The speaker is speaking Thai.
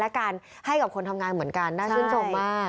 และการให้กับคนทำงานเหมือนกันน่าชื่นชมมาก